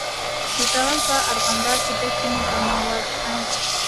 د زابل په ارغنداب کې د سمنټو مواد شته.